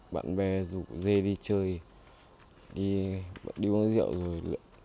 bạn bè rủ dê đi chơi đi bọn đi uống rượu rồi